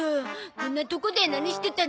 こんなとこで何してたの？